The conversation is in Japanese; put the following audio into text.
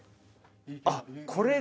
あっこれが！